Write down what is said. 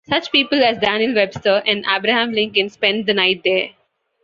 Such people as Daniel Webster and Abraham Lincoln spent the night there.